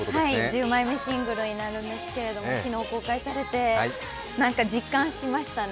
１０枚目シングルになるんですけれども、昨日、公開されて、なんか実感しましたね。